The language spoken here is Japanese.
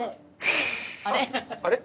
あれ？